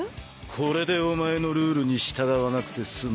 これでお前のルールに従わなくて済む。